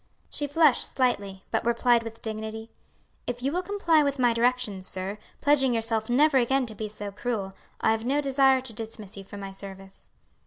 She flushed slightly, but replied with dignity, "If you will comply with my directions, sir, pledging yourself never again to be so cruel, I have no desire to dismiss you from my service."